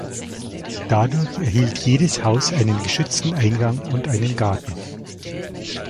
Dadurch erhielt jedes Haus einen geschützten Eingang und einen Garten.